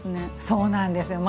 そうなんですよ